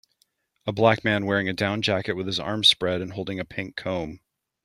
A black man wearing a down jacket with his arms spread and holding a pink comb.